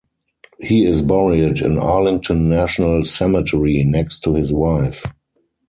He is buried in Arlington National Cemetery next to his wife.